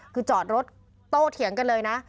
คือจอดรถโตเถียงกันเลยนะ